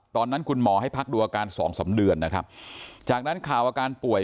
ตอนนั้นคุณหมอให้พักดูอาการสองสามเดือนนะครับจากนั้นข่าวอาการป่วย